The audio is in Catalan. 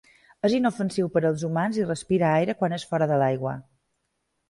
És inofensiu per als humans i respira aire quan és fora de l'aigua.